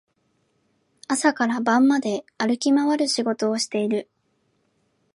朝から晩まで歩き回る仕事をしている